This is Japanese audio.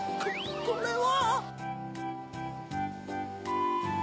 これは！